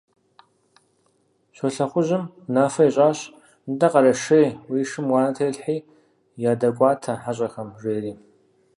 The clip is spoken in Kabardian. Щолэхъужьым унафэ ищӀащ: «НтӀэ, Къэрэшей, уи шым уанэ телъхьи ядэкӀуатэ хьэщӀэхэм», – жери.